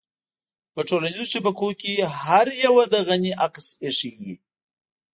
په ټولنيزو شبکو کې هر يوه د غني عکس اېښی وي.